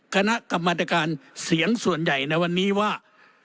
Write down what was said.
คณะกรรมการเสียงส่วนใหญ่ในวันนี้ว่า